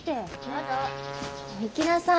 行きなさい。